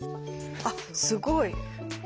あっすごい。